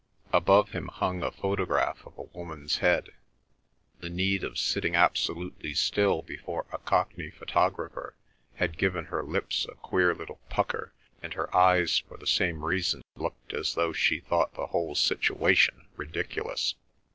Above him hung a photograph of a woman's head. The need of sitting absolutely still before a Cockney photographer had given her lips a queer little pucker, and her eyes for the same reason looked as though she thought the whole situation ridiculous.